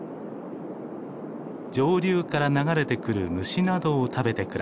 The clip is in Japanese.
上流から流れてくる虫などを食べて暮らしています。